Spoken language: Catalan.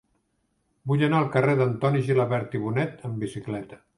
Vull anar al carrer d'Antoni Gilabert i Bonet amb bicicleta.